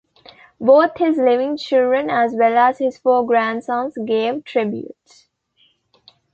Both his living children as well as his four grandsons gave tributes.